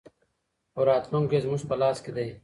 خو راتلونکی زموږ په لاس کې دی.